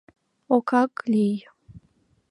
Окак лий.